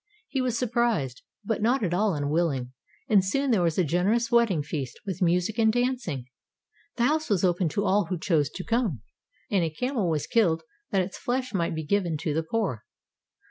He was surprised, but not at all unwilling, and soon there was a generous wedding feast with music and dancing. The house was open to all who chose to come, and a camel was killed that its flesh might be given to the poor.